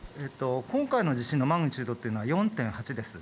今回の地震のマグニチュードは４．８です。